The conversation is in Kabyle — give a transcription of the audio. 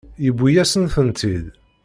Yewwi-yasen-tent-id.